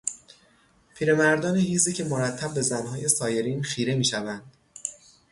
پیرمردان هیزی که مرتب به زنهای سایرین خیره میشوند